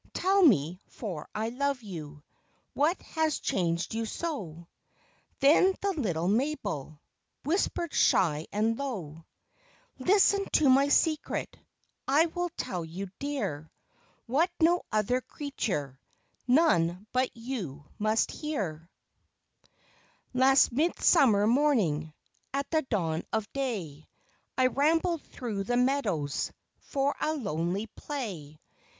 Tell me, for I love you, What has changed you so ?" Then the little Mabel Whispered shy and low :" Listen to my secret ; I will tell you, dear, What no other creature, None but you must hear. 68 FAIRY FARE. Last midsummer morning, At the dawn of day, I rambled through the meadows For a lonely play.